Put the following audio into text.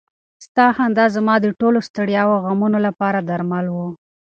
ستا خندا زما د ټولو ستړیاوو او غمونو لپاره درمل و.